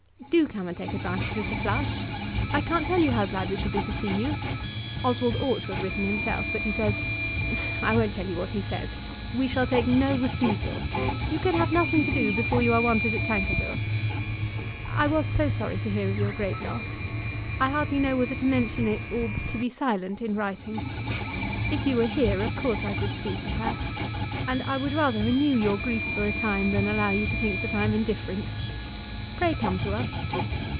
Do come and take advantage of the flush. I can't tell you how glad we shall be to see you. Oswald ought to have written himself, but he says ; I won't tell you what he says. We shall take no refusal. You can have nothing to do before you are wanted at Tankerville. I was so sorry to hear of your great loss. I hardly know whether to mention it or to be silent in writing. If you were here of course I should speak of her. And I would rather renew your grief for a time than allow you to think that I am indifferent. Pray come to us.